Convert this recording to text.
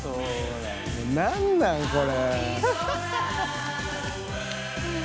何なんこれ。